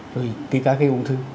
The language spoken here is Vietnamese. rồi kể cả gây ung thư